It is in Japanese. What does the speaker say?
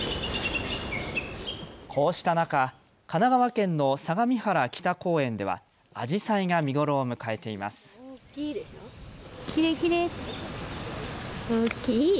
こうした中、神奈川県の相模原北公園ではアジサイが見頃を迎えています。